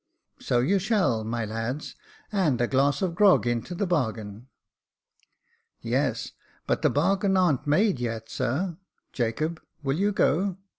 " So you shall, my lads, and a glass of grog into the bargain." " Yes ; but the bargain a'n't made yet, sir. Jacob, will you go